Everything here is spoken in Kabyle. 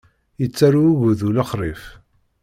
Yettarew ugudu lexṛif.